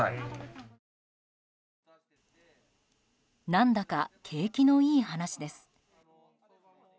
何だか景気のいい話です。